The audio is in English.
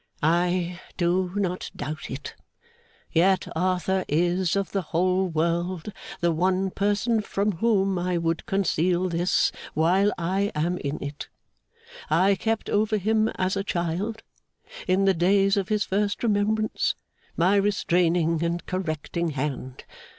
'I do not doubt it. Yet Arthur is, of the whole world, the one person from whom I would conceal this, while I am in it. I kept over him as a child, in the days of his first remembrance, my restraining and correcting hand.